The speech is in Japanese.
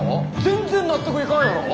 全然納得いかんやろ？